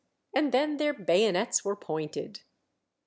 " and then their bayonets were pointed.